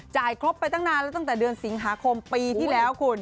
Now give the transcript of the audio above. ครบไปตั้งนานแล้วตั้งแต่เดือนสิงหาคมปีที่แล้วคุณ